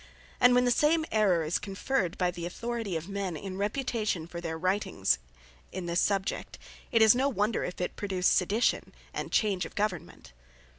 And when the same errour is confirmed by the authority of men in reputation for their writings in this subject, it is no wonder if it produce sedition, and change of Government.